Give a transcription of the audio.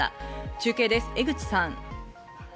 中継です、江口さん。